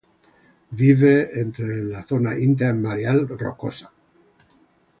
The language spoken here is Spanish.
Vive entre la zona intermareal rocosa.